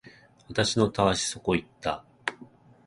私のたわしそこ行った